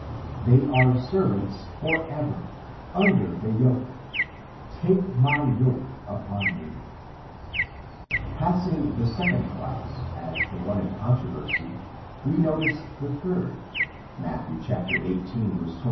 They are servants for ever^ under the yoke,"— *• take my yoke upon you." Passing the second class, as the one in controversy, we notice the third, Matt, xviii» ^, &o.